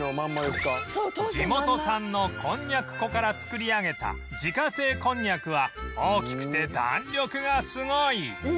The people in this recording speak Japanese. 地元産のこんにゃく粉から作り上げた自家製こんにゃくは大きくて弾力がすごい